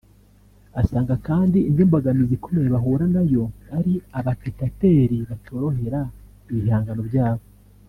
Asanga kandi indi mbogamizi ikomeye bahura nayo ari abapitateri batorohera ibihangano byabo